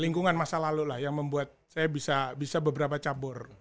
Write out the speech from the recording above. lingkungan masa lalu lah yang membuat saya bisa beberapa cabur